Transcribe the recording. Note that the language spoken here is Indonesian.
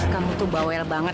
kamu tuh bawel banget